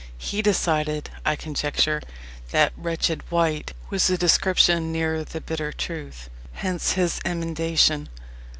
He decided, I conjecture, that "wretched wight" was a description nearer the bitter truth. Hence his emendation.